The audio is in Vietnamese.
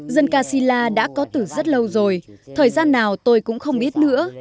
dân ca si la đã có tử rất lâu rồi thời gian nào tôi cũng không biết nữa